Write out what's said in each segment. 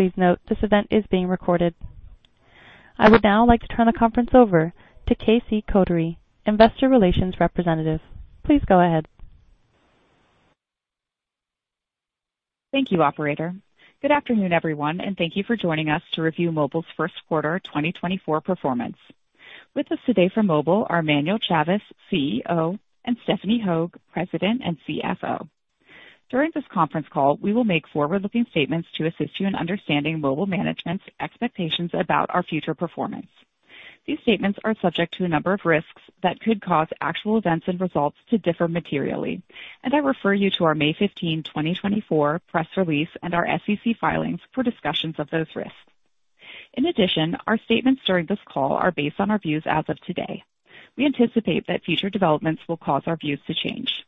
Please note, this event is being recorded. I would now like to turn the conference over to Casey Kotary, investor relations representative. Please go ahead. Thank you, operator. Good afternoon, everyone, and thank you for joining us to review Mobile's first quarter 2024 performance. With us today from Mobile are Manuel Chavez, CEO, and Stephanie Hogue, President and CFO. During this conference call, we will make forward-looking statements to assist you in understanding Mobile's expectations about our future performance. These statements are subject to a number of risks that could cause actual events and results to differ materially, and I refer you to our May 15, 2024 press release and our SEC filings for discussions of those risks. In addition, our statements during this call are based on our views as of today. We anticipate that future developments will cause our views to change.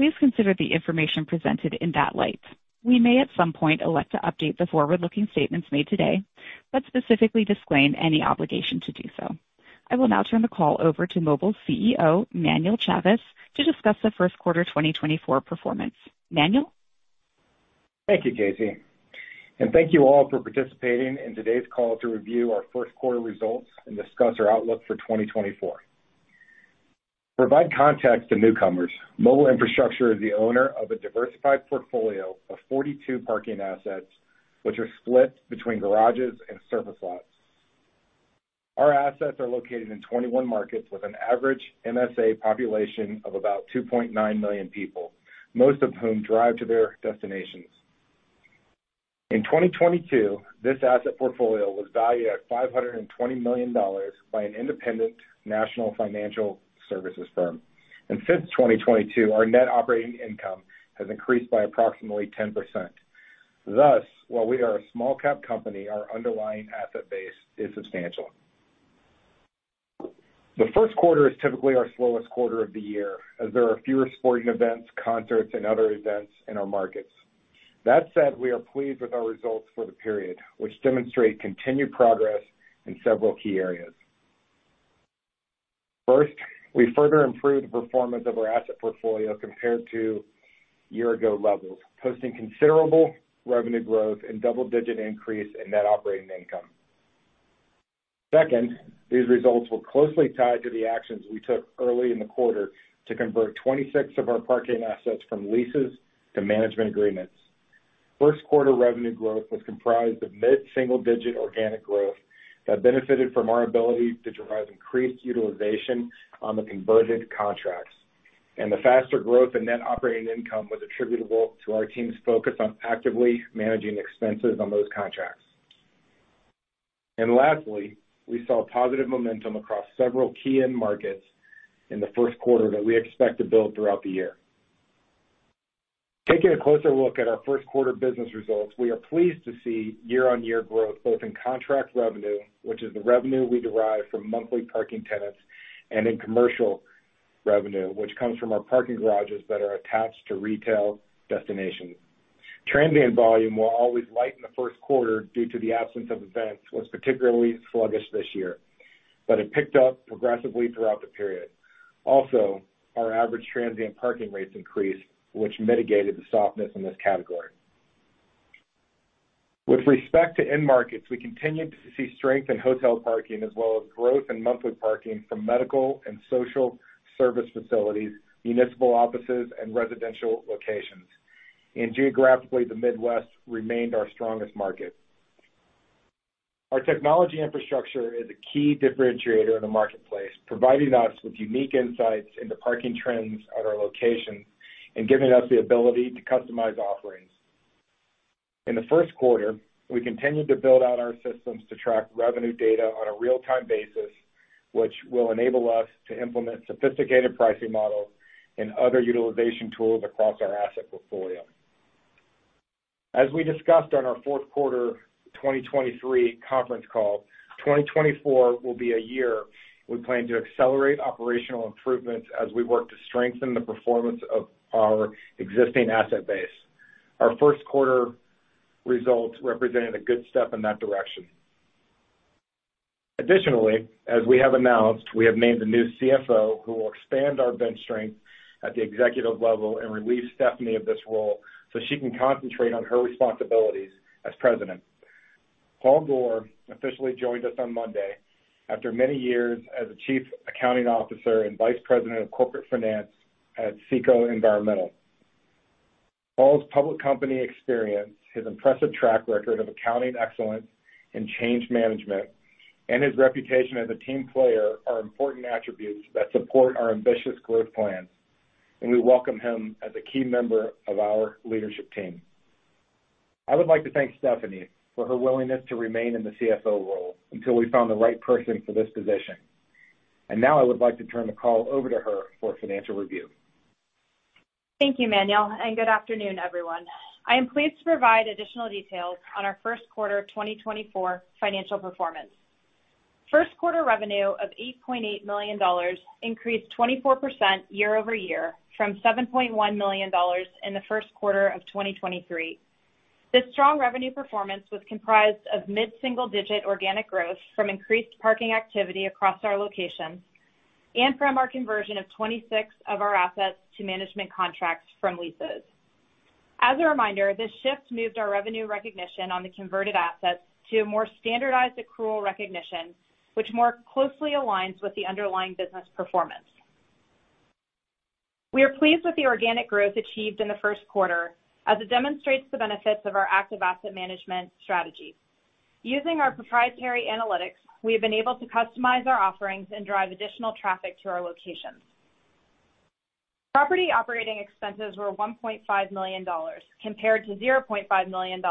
Please consider the information presented in that light. We may, at some point, elect to update the forward-looking statements made today, but specifically disclaim any obligation to do so. I will now turn the call over to Mobile's CEO, Manuel Chavez, to discuss the first quarter 2024 performance. Manuel? Thank you, Casey, and thank you all for participating in today's call to review our first quarter results and discuss our outlook for 2024. To provide context to newcomers, Mobile Infrastructure is the owner of a diversified portfolio of 42 parking assets, which are split between garages and surface lots. Our assets are located in 21 markets with an average MSA population of about 2.9 million people, most of whom drive to their destinations. In 2022, this asset portfolio was valued at $520 million by an independent national financial services firm. Since 2022, our net operating income has increased by approximately 10%. Thus, while we are a small-cap company, our underlying asset base is substantial. The first quarter is typically our slowest quarter of the year, as there are fewer sporting events, concerts, and other events in our markets. That said, we are pleased with our results for the period, which demonstrate continued progress in several key areas. First, we further improved the performance of our asset portfolio compared to year-ago levels, posting considerable revenue growth and double-digit increase in net operating income. Second, these results were closely tied to the actions we took early in the quarter to convert 26 of our parking assets from leases to management agreements. First quarter revenue growth was comprised of mid-single-digit organic growth that benefited from our ability to drive increased utilization on the converted contracts, and the faster growth in net operating income was attributable to our team's focus on actively managing expenses on those contracts. Lastly, we saw positive momentum across several key end markets in the first quarter that we expect to build throughout the year. Taking a closer look at our first quarter business results, we are pleased to see year-on-year growth both in contract revenue, which is the revenue we derive from monthly parking tenants, and in commercial revenue, which comes from our parking garages that are attached to retail destinations. Transient volume, while always light in the first quarter due to the absence of events, was particularly sluggish this year, but it picked up progressively throughout the period. Also, our average transient parking rates increased, which mitigated the softness in this category. With respect to end markets, we continued to see strength in hotel parking, as well as growth in monthly parking from medical and social service facilities, municipal offices, and residential locations. Geographically, the Midwest remained our strongest market. Our technology infrastructure is a key differentiator in the marketplace, providing us with unique insights into parking trends at our locations and giving us the ability to customize offerings. In the first quarter, we continued to build out our systems to track revenue data on a real-time basis, which will enable us to implement sophisticated pricing models and other utilization tools across our asset portfolio. As we discussed on our fourth quarter 2023 conference call, 2024 will be a year we plan to accelerate operational improvements as we work to strengthen the performance of our existing asset base. Our first quarter results represented a good step in that direction. Additionally, as we have announced, we have named a new CFO, who will expand our bench strength at the executive level and relieve Stephanie of this role, so she can concentrate on her responsibilities as President. Paul Gohr officially joined us on Monday after many years as the Chief Accounting Officer and Vice President of Corporate Finance at CECO Environmental. Paul's public company experience, his impressive track record of accounting excellence and change management, and his reputation as a team player are important attributes that support our ambitious growth plans, and we welcome him as a key member of our leadership team. I would like to thank Stephanie for her willingness to remain in the CFO role until we found the right person for this position. Now I would like to turn the call over to her for a financial review. Thank you, Manuel, and good afternoon, everyone. I am pleased to provide additional details on our first quarter 2024 financial performance. First quarter revenue of $8.8 million increased 24% year-over-year from $7.1 million in the first quarter of 2023. This strong revenue performance was comprised of mid-single-digit organic growth from increased parking activity across our locations. And from our conversion of 26 of our assets to management contracts from leases. As a reminder, this shift moved our revenue recognition on the converted assets to a more standardized accrual recognition, which more closely aligns with the underlying business performance. We are pleased with the organic growth achieved in the first quarter, as it demonstrates the benefits of our active asset management strategy. Using our proprietary analytics, we have been able to customize our offerings and drive additional traffic to our locations. Property operating expenses were $1.5 million, compared to $0.5 million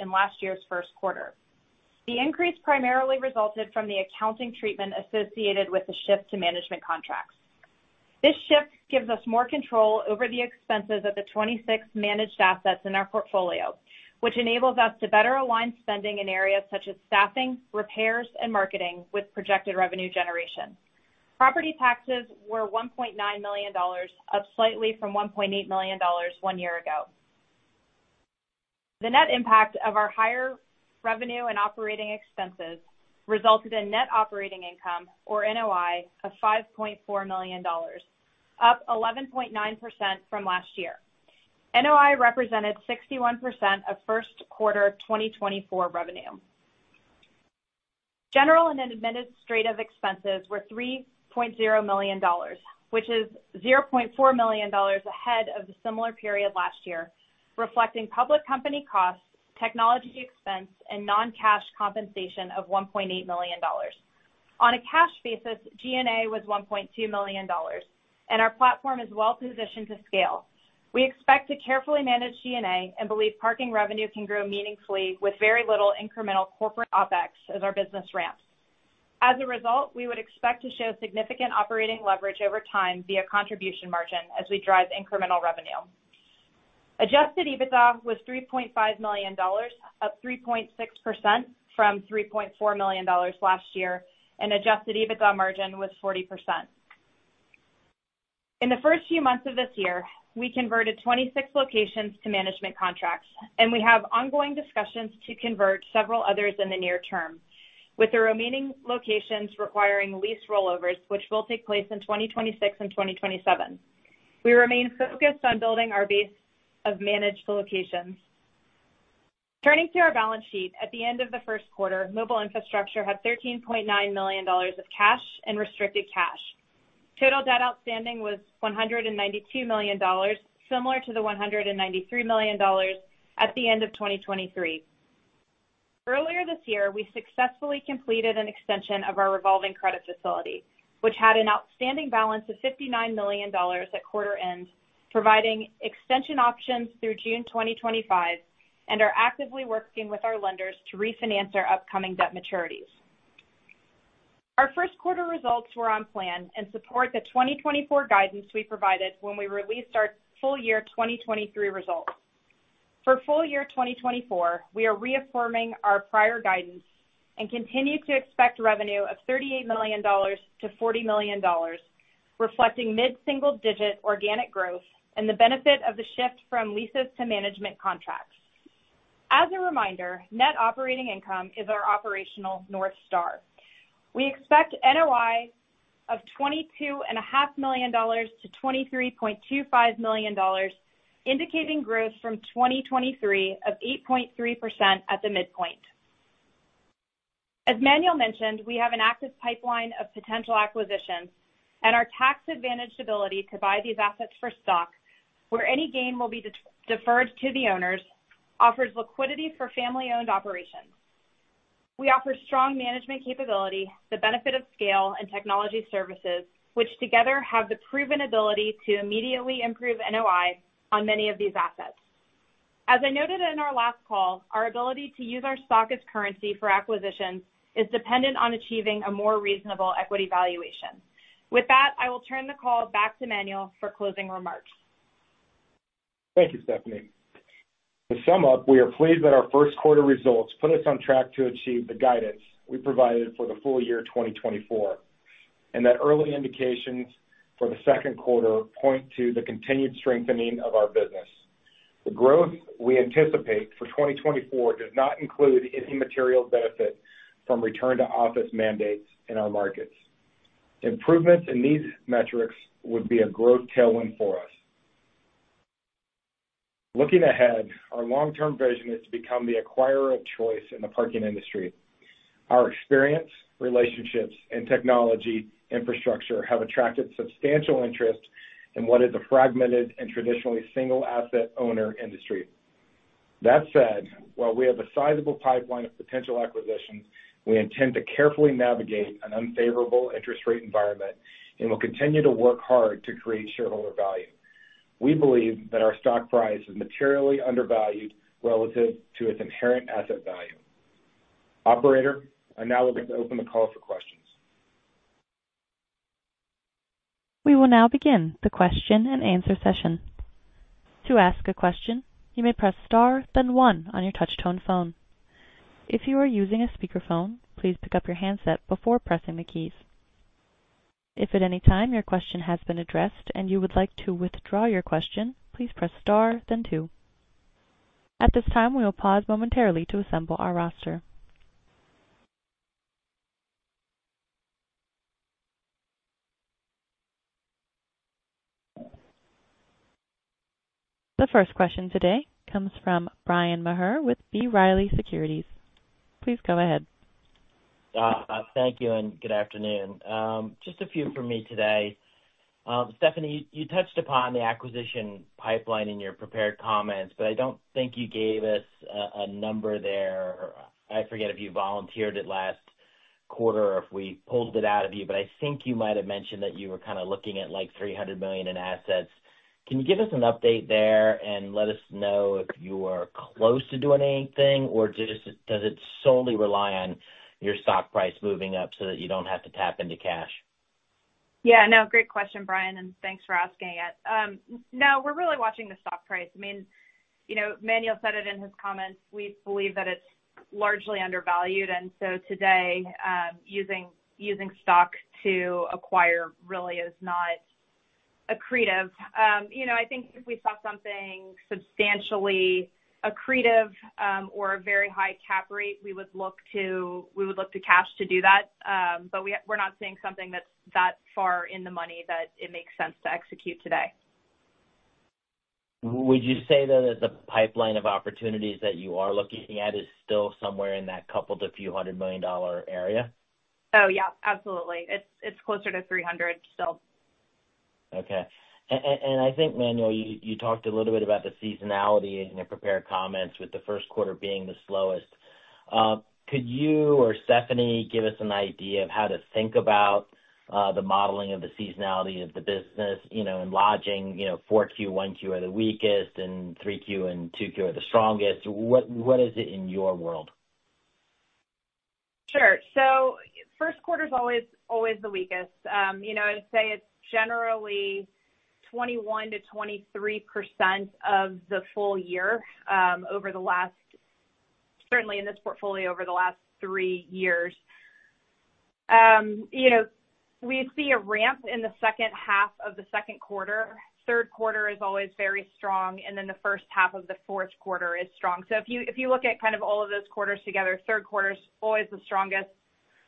in last year's first quarter. The increase primarily resulted from the accounting treatment associated with the shift to management contracts. This shift gives us more control over the expenses of the 26 managed assets in our portfolio, which enables us to better align spending in areas such as staffing, repairs, and marketing with projected revenue generation. Property taxes were $1.9 million, up slightly from $1.8 million one year ago. The net impact of our higher revenue and operating expenses resulted in net operating income, or NOI, of $5.4 million, up 11.9% from last year. NOI represented 61% of first quarter of 2024 revenue. General and administrative expenses were $3.0 million, which is $0.4 million ahead of the similar period last year, reflecting public company costs, technology expense, and non-cash compensation of $1.8 million. On a cash basis, G&A was $1.2 million, and our platform is well positioned to scale. We expect to carefully manage G&A and believe parking revenue can grow meaningfully with very little incremental corporate OpEx as our business ramps. As a result, we would expect to show significant operating leverage over time via contribution margin as we drive incremental revenue. Adjusted EBITDA was $3.5 million, up 3.6% from $3.4 million last year, and adjusted EBITDA margin was 40%. In the first few months of this year, we converted 26 locations to management contracts, and we have ongoing discussions to convert several others in the near term, with the remaining locations requiring lease rollovers, which will take place in 2026 and 2027. We remain focused on building our base of managed locations. Turning to our balance sheet, at the end of the first quarter, Mobile Infrastructure had $13.9 million of cash and restricted cash. Total debt outstanding was $192 million, similar to the $193 million at the end of 2023. Earlier this year, we successfully completed an extension of our revolving credit facility, which had an outstanding balance of $59 million at quarter end, providing extension options through June 2025, and are actively working with our lenders to refinance our upcoming debt maturities. Our first quarter results were on plan and support the 2024 guidance we provided when we released our full year 2023 results. For full year 2024, we are reaffirming our prior guidance and continue to expect revenue of $38 million-$40 million, reflecting mid-single digit organic growth and the benefit of the shift from leases to management contracts. As a reminder, net operating income is our operational North Star. We expect NOI of $22.5 million-$23.25 million, indicating growth from 2023 of 8.3% at the midpoint. As Manuel mentioned, we have an active pipeline of potential acquisitions, and our tax-advantaged ability to buy these assets for stock, where any gain will be deferred to the owners, offers liquidity for family-owned operations. We offer strong management capability, the benefit of scale and technology services, which together have the proven ability to immediately improve NOI on many of these assets. As I noted in our last call, our ability to use our stock as currency for acquisitions is dependent on achieving a more reasonable equity valuation. With that, I will turn the call back to Manuel for closing remarks. Thank you, Stephanie. To sum up, we are pleased that our first quarter results put us on track to achieve the guidance we provided for the full year 2024, and that early indications for the second quarter point to the continued strengthening of our business. The growth we anticipate for 2024 does not include any material benefit from return-to-office mandates in our markets. Improvements in these metrics would be a growth tailwind for us. Looking ahead, our long-term vision is to become the acquirer of choice in the parking industry. Our experience, relationships, and technology infrastructure have attracted substantial interest in what is a fragmented and traditionally single-asset owner industry. That said, while we have a sizable pipeline of potential acquisitions, we intend to carefully navigate an unfavorable interest rate environment and will continue to work hard to create shareholder value. We believe that our stock price is materially undervalued relative to its inherent asset value. Operator, I'd now like to open the call for questions. We will now begin the question-and-answer session. To ask a question, you may press star, then one on your touch-tone phone. If you are using a speakerphone, please pick up your handset before pressing the keys. If at any time your question has been addressed and you would like to withdraw your question, please press star, then two.... At this time, we will pause momentarily to assemble our roster. The first question today comes from Bryan Maher with B. Riley Securities. Please go ahead. Thank you, and good afternoon. Just a few from me today. Stephanie, you touched upon the acquisition pipeline in your prepared comments, but I don't think you gave us a number there. I forget if you volunteered it last quarter or if we pulled it out of you, but I think you might have mentioned that you were kind of looking at, like, $300 million in assets. Can you give us an update there and let us know if you are close to doing anything, or just does it solely rely on your stock price moving up so that you don't have to tap into cash? Yeah, no, great question, Bryan, and thanks for asking it. No, we're really watching the stock price. I mean, you know, Manuel said it in his comments. We believe that it's largely undervalued, and so today, using stock to acquire really is not accretive. You know, I think if we saw something substantially accretive, or a very high cap rate, we would look to cash to do that. But we, we're not seeing something that's that far in the money that it makes sense to execute today. Would you say, though, that the pipeline of opportunities that you are looking at is still somewhere in that $200 million-$300 million area? Oh, yeah, absolutely. It's closer to 300 still. Okay. And I think, Manuel, you talked a little bit about the seasonality in your prepared comments, with the first quarter being the slowest. Could you or Stephanie give us an idea of how to think about the modeling of the seasonality of the business, you know, in lodging, you know, 4Q, 1Q are the weakest, and 3Q and 2Q are the strongest. What is it in your world? Sure. So first quarter is always, always the weakest. You know, I'd say it's generally 21%-23% of the full year, over the last, certainly in this portfolio over the last three years. You know, we see a ramp in the second half of the second quarter. Third quarter is always very strong, and then the first half of the fourth quarter is strong. So if you, if you look at kind of all of those quarters together, third quarter is always the strongest,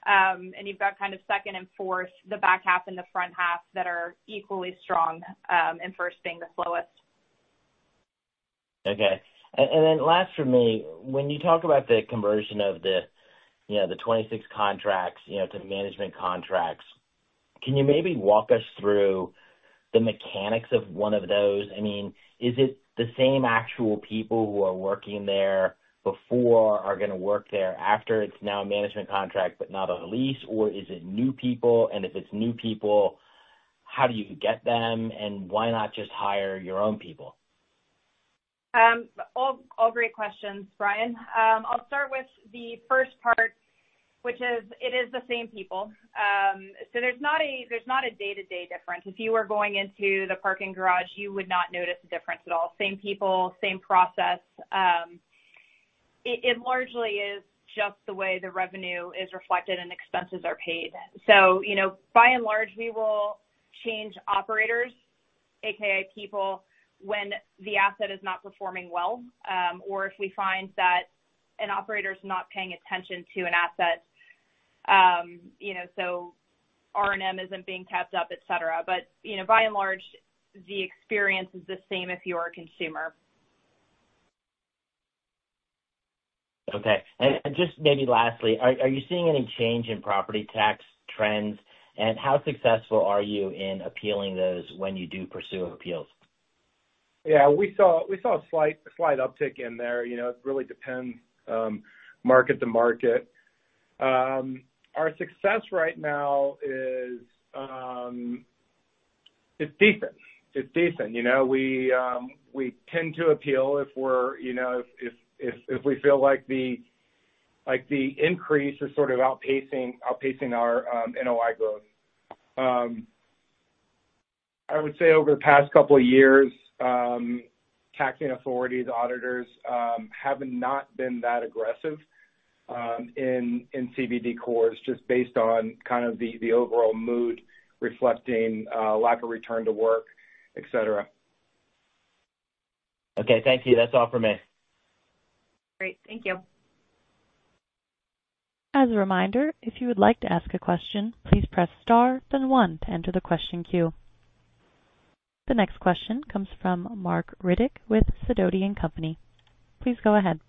and you've got kind of second and fourth, the back half and the front half, that are equally strong, and first being the slowest. Okay. And then last for me, when you talk about the conversion of the, you know, the 26 contracts, you know, to management contracts, can you maybe walk us through the mechanics of one of those? I mean, is it the same actual people who are working there before are going to work there after it's now a management contract but not a lease, or is it new people? And if it's new people, how do you get them, and why not just hire your own people? All great questions, Bryan. I'll start with the first part, which is, it is the same people. So there's not a day-to-day difference. If you were going into the parking garage, you would not notice a difference at all. Same people, same process. It largely is just the way the revenue is reflected and expenses are paid. So, you know, by and large, we will change operators, AKA people, when the asset is not performing well, or if we find that an operator is not paying attention to an asset, you know, so R&M isn't being kept up, et cetera. But, you know, by and large, the experience is the same if you are a consumer. Okay. And just maybe lastly, are you seeing any change in property tax trends? And how successful are you in appealing those when you do pursue appeals? Yeah, we saw a slight uptick in there. You know, it really depends, market to market. Our success right now is, it's decent. It's decent. You know, we tend to appeal if we're, you know, if we feel like the, like, the increase is sort of outpacing our NOI growth. I would say over the past couple of years, taxing authorities, auditors, have not been that aggressive, in CBD cores, just based on kind of the overall mood reflecting lack of return to work, et cetera. Okay. Thank you. That's all for me. Great. Thank you. As a reminder, if you would like to ask a question, please press star, then one to enter the question queue. The next question comes from Marc Riddick with Sidoti & Company. Please go ahead.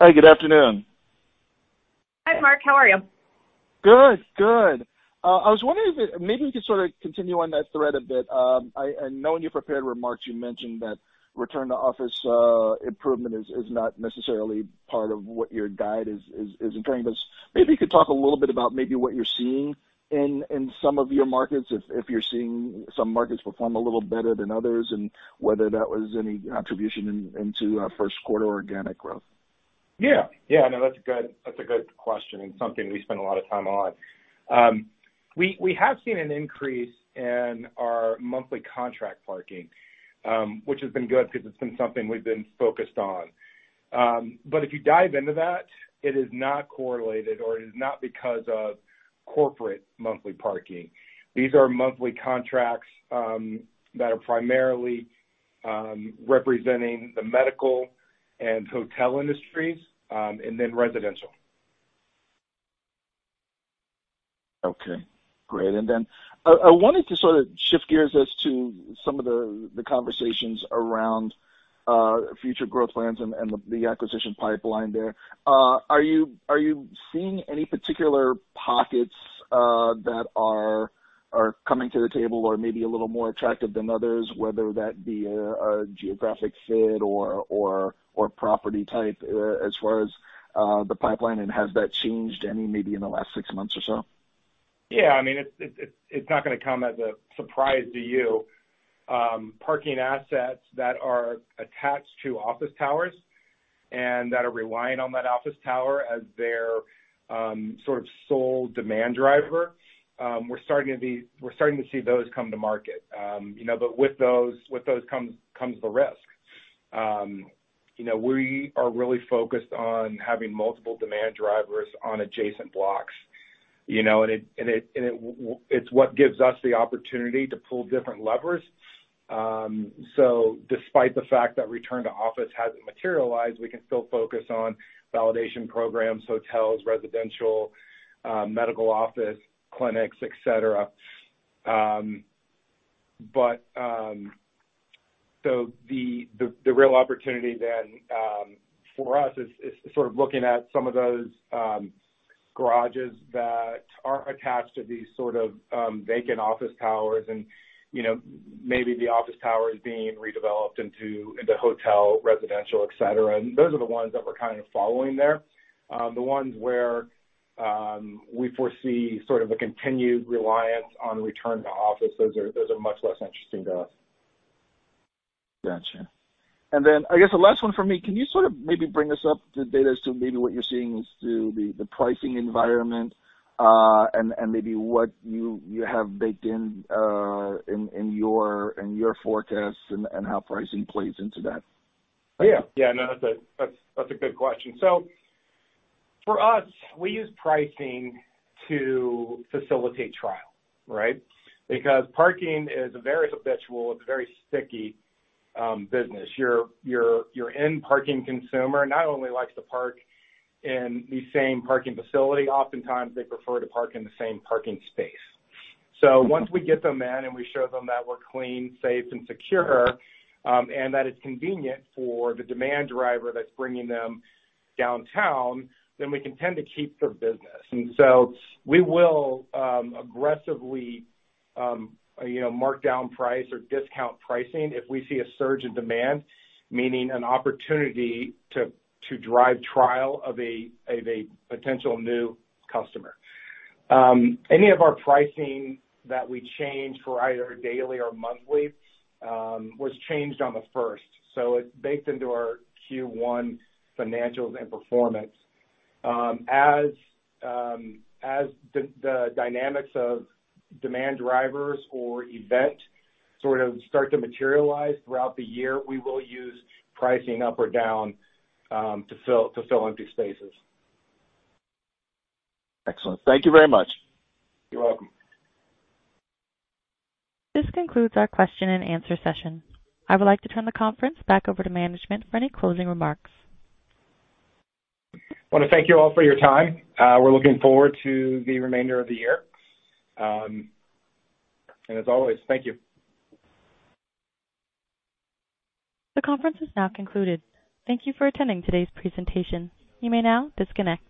Hi, good afternoon. Hi, Marc. How are you? Good, good. I was wondering if maybe you could sort of continue on that thread a bit. And knowing your prepared remarks, you mentioned that return to office improvement is, is not necessarily part of what your guide is, is, is encouraging. But maybe you could talk a little bit about maybe what you're seeing in some of your markets, if you're seeing some markets perform a little better than others, and whether that was any contribution into first quarter organic growth. Yeah. Yeah, no, that's a good, that's a good question and something we spend a lot of time on. We have seen an increase in our monthly contract parking, which has been good because it's been something we've been focused on. But if you dive into that, it is not correlated or it is not because of corporate monthly parking. These are monthly contracts that are primarily representing the medical and hotel industries, and then residential. Okay, great. And then, I wanted to sort of shift gears as to some of the, the conversations around, future growth plans and, and the, the acquisition pipeline there. Are you, are you seeing any particular pockets, that are, are coming to the table or maybe a little more attractive than others, whether that be a, a geographic fit or, or, or property type, as far as, the pipeline, and has that changed any, maybe in the last six months or so? Yeah. I mean, it's not gonna come as a surprise to you. Parking assets that are attached to office towers and that are relying on that office tower as their sort of sole demand driver, we're starting to see those come to market. You know, but with those comes the risk. You know, we are really focused on having multiple demand drivers on adjacent blocks, you know, and it's what gives us the opportunity to pull different levers. So despite the fact that return to office hasn't materialized, we can still focus on validation programs, hotels, residential, medical office, clinics, et cetera. So the real opportunity then for us is sort of looking at some of those garages that are attached to these sort of vacant office towers and, you know, maybe the office tower is being redeveloped into hotel, residential, et cetera. Those are the ones that we're kind of following there. The ones where we foresee sort of a continued reliance on return to office, those are much less interesting to us. Gotcha. And then I guess the last one for me, can you sort of maybe bring us up to date as to maybe what you're seeing as to the pricing environment, and maybe what you have baked in, in your forecast and how pricing plays into that? Yeah. Yeah, no, that's a, that's, that's a good question. So for us, we use pricing to facilitate trial, right? Because parking is a very habitual, it's a very sticky, business. Your, your, your end parking consumer not only likes to park in the same parking facility, oftentimes they prefer to park in the same parking space. So once we get them in and we show them that we're clean, safe, and secure, and that it's convenient for the demand driver that's bringing them downtown, then we can tend to keep their business. And so we will, aggressively, you know, mark down price or discount pricing if we see a surge in demand, meaning an opportunity to, to drive trial of a, of a potential new customer. Any of our pricing that we change for either daily or monthly was changed on the first, so it's baked into our Q1 financials and performance. As the dynamics of demand drivers or event sort of start to materialize throughout the year, we will use pricing up or down to fill empty spaces. Excellent. Thank you very much. You're welcome. This concludes our question and answer session. I would like to turn the conference back over to management for any closing remarks. I wanna thank you all for your time. We're looking forward to the remainder of the year. As always, thank you. The conference is now concluded. Thank you for attending today's presentation. You may now disconnect.